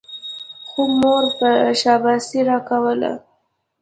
خو مور به شاباسي راکوله.